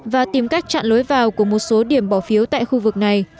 và tìm cách chặn lối vào của một số điểm bỏ phiếu tại khu vực này